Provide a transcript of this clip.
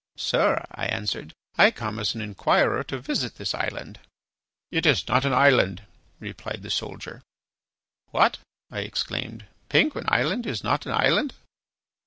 "Sir," I answered, "I come as an inquirer to visit this island." "It is not an island," replied the soldier. "What!" I exclaimed, "Penguin Island is not an island?"